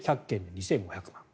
２５００万円。